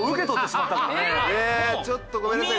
ちょっとごめんなさい